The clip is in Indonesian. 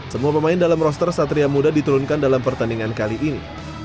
semua pemain dalam roster satria muda diturunkan dalam pertandingan kali ini